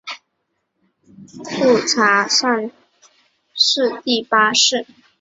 富察善属镶黄旗满洲沙济富察氏第八世。